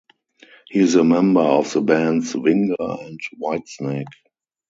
He is a member of the bands Winger and Whitesnake.